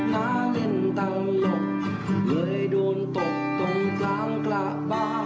มาเล่นตังหลบเคยโดนตบตรงกลางกระบ้าน